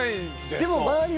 でも周りは。